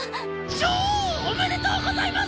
女王おめでとうございます！